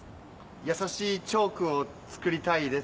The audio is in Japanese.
やさしいチョークを作りたいです。